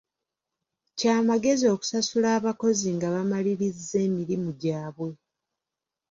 Kya magezi okusasula abakozi nga bamalirizza emirimu gyabwe.